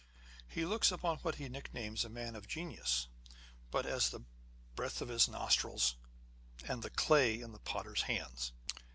He looks upon what he nicknames a man of genius, but as the breath of his nostrils, and the clay in the potter's hands.